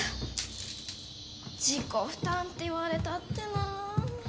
自己負担って言われたってなあ。